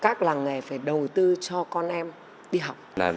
các làng nghề phải đầu tư cho con em đi học